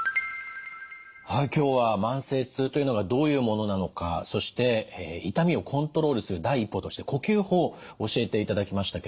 はい今日は慢性痛というのがどういうものなのかそして痛みをコントロールする第一歩として呼吸法教えていただきましたけれども。